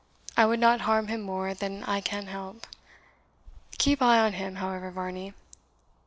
I would not harm him more than I can help. Keep eye on him, however, Varney."